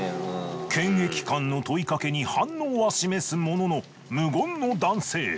検疫官の問いかけに反応は示すものの無言の男性。